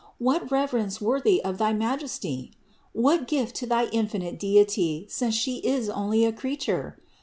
What reverence worthy of thy Majesty? What gift to thy infinite Deity, since She is only a creature